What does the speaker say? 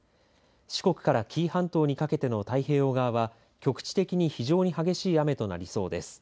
四国から紀伊半島にかけての太平洋側は局地的に非常に激しい雨となりそうです。